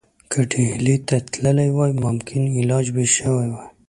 که ډهلي ته تللی وای ممکن علاج به شوی وای.